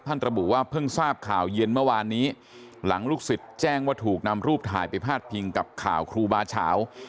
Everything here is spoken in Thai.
ระบุว่าเพิ่งทราบข่าวเย็นเมื่อวานนี้หลังลูกศิษย์แจ้งว่าถูกนำรูปถ่ายไปพาดพิงกับข่าวครูบาเฉา